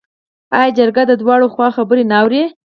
آیا جرګه د دواړو خواوو خبرې نه اوري؟